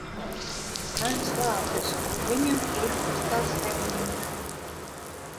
Man slāpes un viņam ir kas tās remdina.